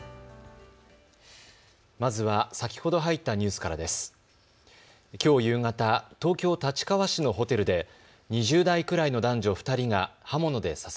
まずは先ほど入ったニュースからです。